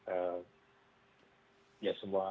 eh ya semua